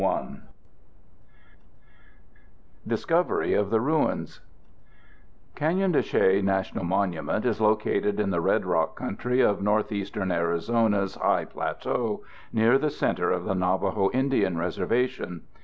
] Discovery of the Ruins Canyon de Chelly National Monument is located in the red rock country of northeastern Arizona's high plateau, near the center of the Navajo Indian Reservation.